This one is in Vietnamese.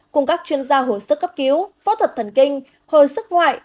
cùng các chuyên gia hồi sức cấp cứu phẫu thuật thần kinh hồi sức ngoại